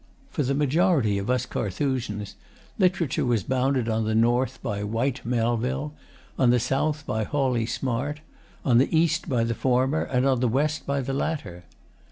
For the majority of us Carthusians, literature was bounded on the north by Whyte Melville, on the south by Hawley Smart, on the east by the former, and on the west by the latter.